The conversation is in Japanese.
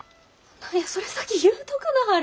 何やそれ先言うとくなはれ。